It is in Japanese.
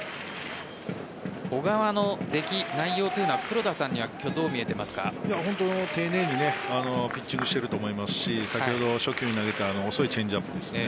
小川の出来、内容は黒田さんには本当に丁寧にピッチングしていると思いますし先ほど、初球に投げた遅いチェンジアップですよね。